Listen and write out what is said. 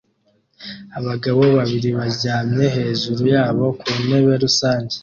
Abagabo babiri baryamye hejuru yabo ku ntebe rusange